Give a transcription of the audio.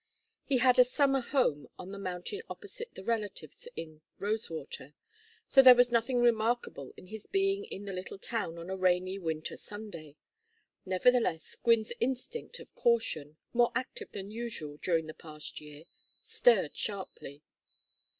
He had a summer home on the mountain opposite and relatives in Rosewater, so there was nothing remarkable in his being in the little town on a rainy winter Sunday. Nevertheless, Gwynne's instinct of caution, more active than usual during the past year, stirred sharply.